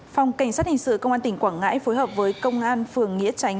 phòng cảnh sát hình sự công an tỉnh quảng ngãi phối hợp với công an phường nghĩa tránh